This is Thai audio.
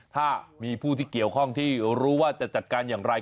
ถ้ามีผู้ที่เกี่ยวข้องที่รู้ว่าจะจัดการอย่างไร